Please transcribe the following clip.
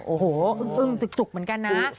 โอ้โหอึ้งจุกเหมือนกันนะ